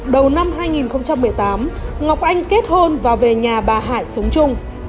đầu năm hai nghìn một mươi tám ngọc anh kết hôn và về nhà bà hải sống chung